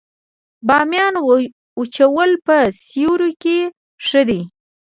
د بامیې وچول په سیوري کې ښه دي؟